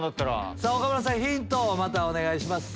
さぁ岡村さんヒントをお願いします。